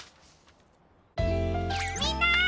みんな！